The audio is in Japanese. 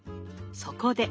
そこで。